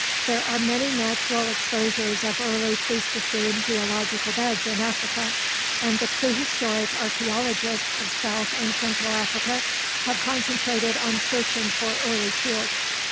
There are many natural exposures of early Pleistocene geological beds in Africa, and the prehistoric archeologists of south and central Africa have concentrated on searching for early tools.